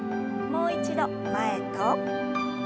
もう一度前と。